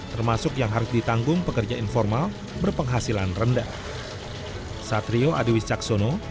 termasuk yang harus ditanggung pekerja informal berpenghasilan rendah